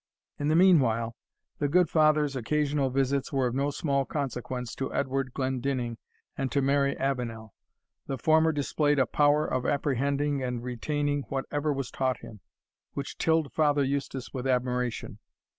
In the meanwhile, the good father's occasional visits were of no small consequence to Edward Glendinning and to Mary Avenel. The former displayed a power of apprehending and retaining whatever was taught him, which tilled Father Eustace with admiration.